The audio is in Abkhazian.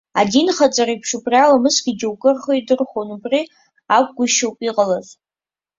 Адинхаҵареиԥш, убри аламысгьы џьоукы рхы иадырхәон, убри акәгәышьоуп иҟалаз.